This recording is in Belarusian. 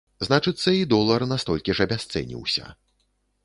Значыцца, і долар на столькі ж абясцэніўся.